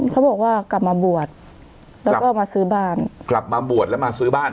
เขาบอกว่ากลับมาบวชแล้วก็มาซื้อบ้านกลับมาบวชแล้วมาซื้อบ้าน